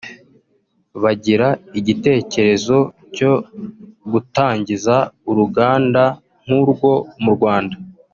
bagira igitekerezo cyo gutangiza uruganda nk’urwo mu Rwanda